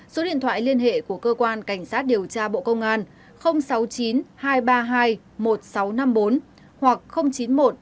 số điện thoại liên hệ của cơ quan cảnh sát điều tra bộ công an sáu mươi chín hai trăm ba mươi hai một nghìn sáu trăm năm mươi bốn hoặc chín mươi một sáu trăm bảy mươi bảy bảy nghìn bảy trăm sáu mươi bảy